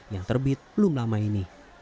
yang terbit belum lama ini